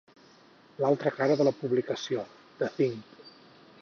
L'altra cara de la publicació, "The Thing".